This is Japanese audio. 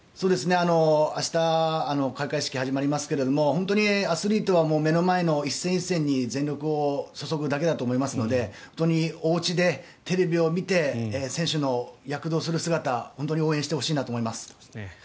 明日開会式が始まりますけど本当にアスリートは目の前の１戦１戦に全力を注ぐだけだと思いますので本当におうちでテレビを見て選手の躍動する姿応援してほしいなと思います。